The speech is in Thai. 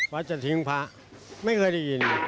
จะทิ้งพระไม่เคยได้ยิน